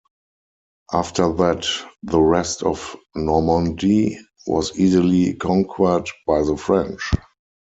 After that, the rest of Normandy was easily conquered by the French.